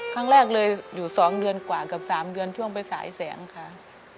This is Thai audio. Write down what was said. ครั้งแรกเลยอยู่๒เดือนกว่ากับ๓เดือนช่วงไปสายแสงค่ะ